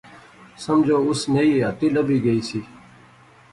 سمجھو اس نئی حیاتی لبی گئی سی